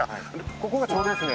ここがちょうどですね